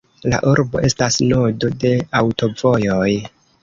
La urbo estas nodo de aŭtovojoj.